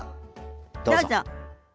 どうぞ。